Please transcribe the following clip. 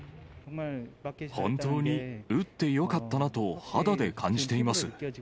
本当に打ってよかったなと肌で感じています。